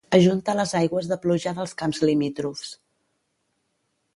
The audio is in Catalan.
Ajunta les aigües de pluja dels camps limítrofs.